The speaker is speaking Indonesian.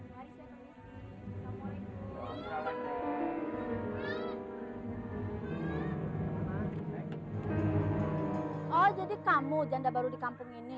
baju ingin iya oh jadi kamu janda baru di kampung ini